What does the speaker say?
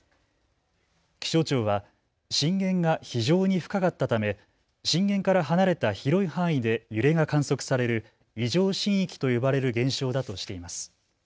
気象庁は震源が非常に深かったため震源から離れた広い範囲で揺れが観測される異常震域と呼ばれる現象だとしています。